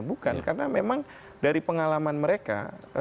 bukan karena memang dari pengalaman mereka